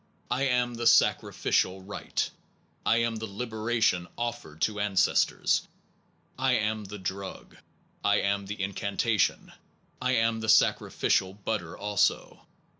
I am the sacrificial rite. I am the libation offered to ancestors. I am the drug. I am the incantation. I am the sacrificial butter also.